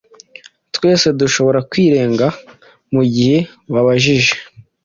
Twese dushobora kwirega mugihe babajije